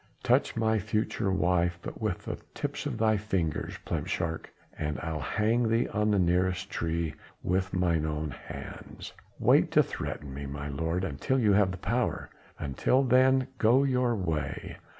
"Touch my future wife but with the tips of thy fingers, plepshurk, and I'll hang thee on the nearest tree with mine own hands." "Wait to threaten, my lord, until you have the power: until then go your way.